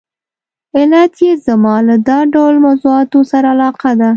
علت یې زما له دا ډول موضوعاتو سره علاقه ده.